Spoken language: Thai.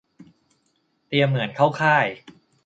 เตรียมเหมือนเข้าค่าย